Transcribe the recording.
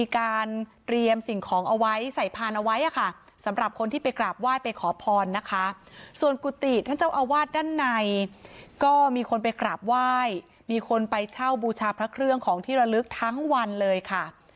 ก็มีคนไปกราบไหว้มีคนไปเช่าบูชาพระเครื่องของที่ระลึกทั้งวันเลยค่ะ